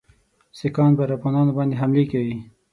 سیکهان پر افغانانو باندي حملې کوي.